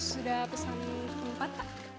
sudah pesan tempat pak